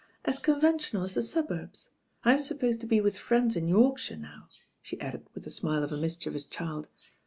"As conventional as the suburbs. I'm supposed to be with friends in Yorkshire now," she added with the smile of a mischievous child.